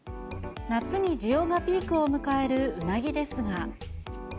夏に需要がピークを迎えるうなぎですが。